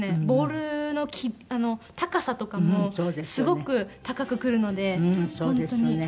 ボールの高さとかもすごく高く来るので本当に。